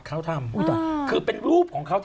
เขาทำคือเป็นรูปของเขา